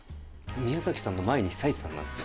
宮崎さんの前に久石さんなんですね。